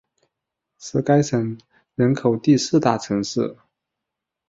是该省人口第四大城市。